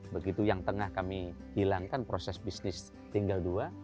begitu yang tengah kami hilangkan proses bisnis tinggal dua